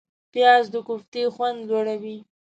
پیاز د کوفتې خوند لوړوي